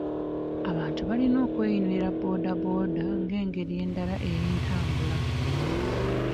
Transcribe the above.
Abantu balina okweyunira bbooda bbooda nga engeri endala ey'entambula